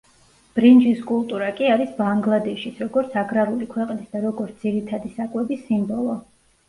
ბრინჯის კულტურა კი არის ბანგლადეშის, როგორც აგრარული ქვეყნის და როგორც, ძირითადი საკვების სიმბოლო.